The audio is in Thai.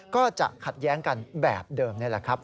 ก็จะขัดแย้งกันแบบเดิมนี่แหละครับ